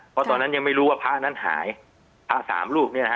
เพราะตอนนั้นยังไม่รู้ว่าพระนั้นหายพระสามรูปเนี่ยนะฮะ